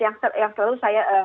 yang selalu saya